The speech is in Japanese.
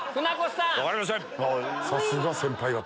さすが先輩方。